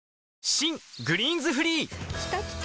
新「グリーンズフリー」きたきた！